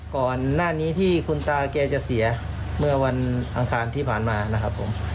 ก่อนหน้านี้ที่คุณตาแกจะเสียเมื่อวันอังคารที่ผ่านมานะครับผม